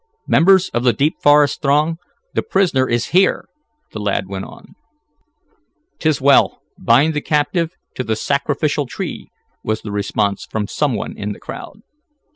"Members of the Deep Forest Throng, the prisoner is here!" the lad went on. "'Tis well, bind the captive to the sacrificial tree," was the response from some one in the crowd.